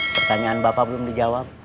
pertanyaan bapak belum dijawab